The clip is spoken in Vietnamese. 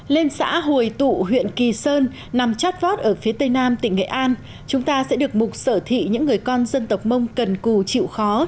lên xã hồi tụ huyện kỳ sơn nằm chát vót ở phía tây nam tỉnh nghệ an chúng ta sẽ được mục sở thị những người con dân tộc mông cần cù chịu khó